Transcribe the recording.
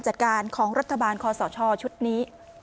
จัดการของรัฐบาลคอสชชุดนี้